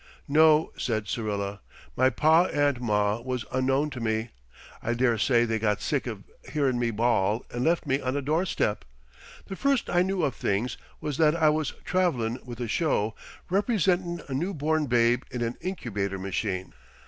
"No," said Syrilla. "My pa and ma was unknown to me. I dare say they got sick of hearin' me bawl and left me on a doorstep. The first I knew of things was that I was travelin' with a show, representin' a newborn babe in an incubator machine.